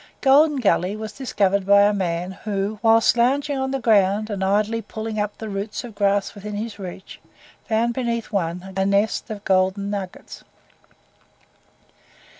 Golden Gully was discovered by a man who, whilst lounging on the ground and idly pulling up the roots of grass within his reach, found beneath one a nest of golden nuggets.